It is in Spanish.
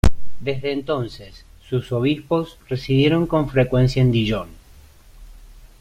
Desde entonces, sus obispos residieron con frecuencia en Dijon.